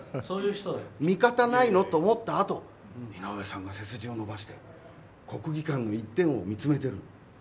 味方ないの？って思ったら井上さんが、背筋を伸ばして国技館の一転を見つめてる。